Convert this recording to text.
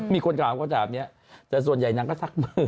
มีคนกล่าวกว่าถามนี้แต่ส่วนใหญ่นั้นก็ซักมือ